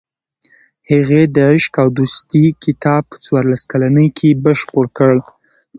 هغې د "عشق او دوستي" کتاب په څوارلس کلنۍ کې بشپړ کړ.